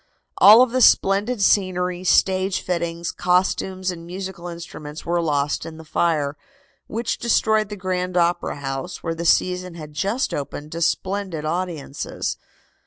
All of the splendid scenery, stage fittings, costumes and musical instruments were lost in the fire, which destroyed the Grand Opera House, where the season had just opened to splendid audiences.